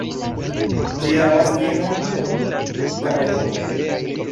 Ĝi havas limon kun Kameruno.